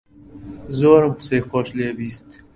زۆرم قسەی خۆش لێ بیست